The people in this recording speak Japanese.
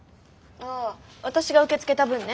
ああ私が受け付けた分ね。